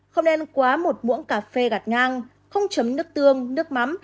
không nên quá một cà phê gạt ngang không chấm nước tương nước mắm